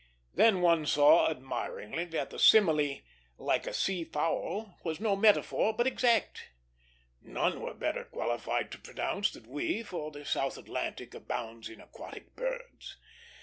Then one saw admiringly that the simile "like a sea fowl" was no metaphor, but exact. None were better qualified to pronounce than we, for the South Atlantic abounds in aquatic birds.